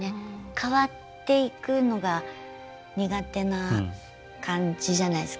変わっていくのが苦手な感じじゃないですか。